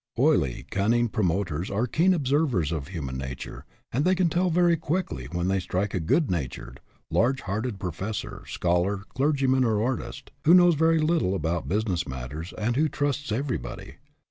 Oily, cunning promoters are keen observers of human nature, and they can tell very quickly when they strike a good natured, large hearted professor, scholar, clergyman or artist who knows very little about business matters and who trusts every body.